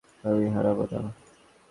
আমি হারবো না।